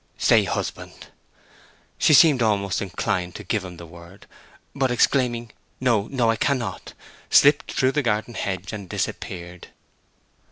"Say 'husband.'" She seemed almost inclined to give him the word; but exclaiming, "No, no; I cannot," slipped through the garden hedge and disappeared.